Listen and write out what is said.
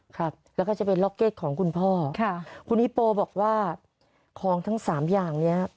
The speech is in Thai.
ครับแล้วก็จะเป็นล็อกเก็ตของคุณพ่อค่ะคุณฮิโปบอกว่าของทั้งสามอย่างเนี้ย